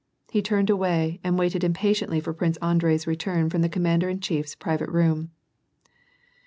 He turned away and waited impatiently for Prince Andrei's return from the commander in chief's private room.